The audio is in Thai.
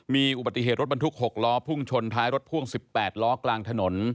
มีอุบัติเหตุรถบรรทุก๖ล้อพุ่งชนท้ายรถพ่วง๑๘ล้อกลางถนน